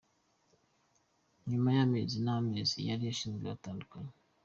Nyuma y’amezi n’amezi yari ashize batandukanye.